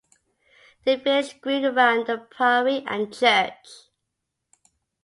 The village grew around the Priory and Church.